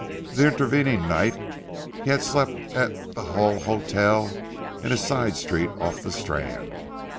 The intervening night he had slept at the Hull Hotel in a side Street off the Strand.